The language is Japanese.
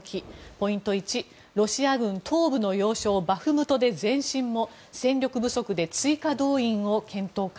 ポイント１、ロシア軍東部の要衝バフムトで前進も戦力不足で追加動員を検討か。